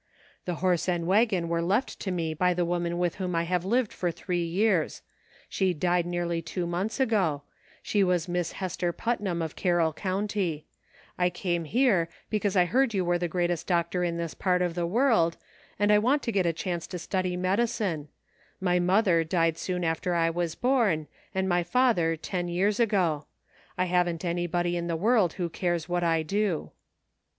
" The horse and wagon were left to me by the woman with whom I have lived for three years ; she died nearly two months ago ; she*was Miss Hester Putnam, of Carroll County ; I came here because I heard you were the greatest doctor in this part of the world, and I want to get a chance to study medicine ; my mother died soon after I was born, and my father ten years ago. I haven't anybody in the world who cares what I do."